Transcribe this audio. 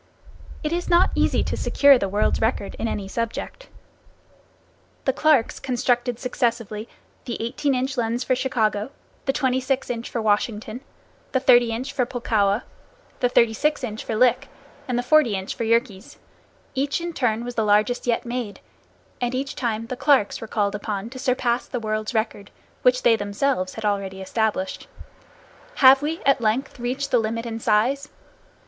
It is not easy to secure the world's record in any subject. The Clarks constructed successively, the 18 inch lens for Chicago, the 26 inch for Washington, the 30 inch for Pulkowa, the 36 inch for Lick and the 40 inch for Yerkes. Each in turn was the largest yet made, and each time the Clarks were called upon to surpass the world's record, which they themselves had already established. Have we at length reached the limit in size?